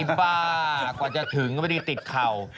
บรรยากว่าจะถึงก็ไม่ดีติดเข่า